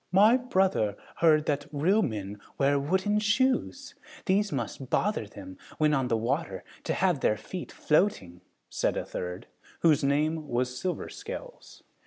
"My brother heard that real men wear wooden shoes! These must bother them, when on the water, to have their feet floating," said a third, whose name was Silver Scales.